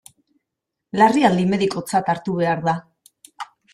Larrialdi medikotzat hartu behar da.